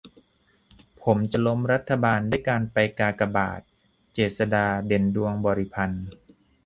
"ผมจะล้มรัฐบาลด้วยการไปกากบาท" - เจษฎา เด่นดวงบริพันธ์